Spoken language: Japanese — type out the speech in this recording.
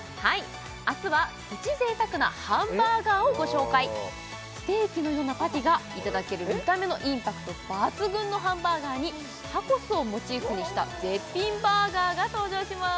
明日はプチ贅沢なハンバーガーをご紹介ステーキのようなパティがいただける見た目のインパクト抜群のハンバーガーにタコスをモチーフにした絶品バーガーが登場します